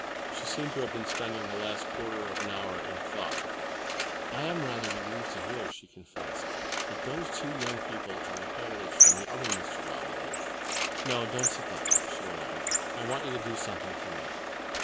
She seemed to have been spending the last quarter of an hour in thought. "I am rather relieved to hear," she confessed, "that those two young people are a heritage from the other Mr. Romilly. No, don't sit down," she went on. "I want you to do something for me.